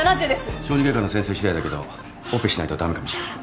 小児外科の先生しだいだけどオペしないと駄目かもしれない。